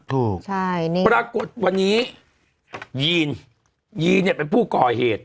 ถูกใช่นี่ปรากฏวันนี้ยีนยีนเนี่ยเป็นผู้ก่อเหตุ